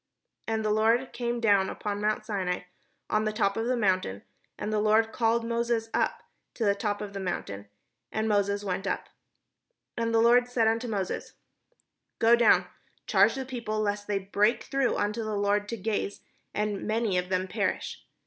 And the Lord came down upon mount Sinai, on the top of the mount: and the Lord called Moses up to the top of the mount; and Moses went up. And the Lord said unto Moses: " Go down, charge the people, lest they break through unto the Lord to gaze, and many of them perish.